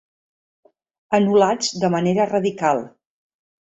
Anul·lats de manera radical.